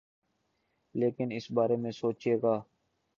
لیکن اس بارے میں سوچے گا۔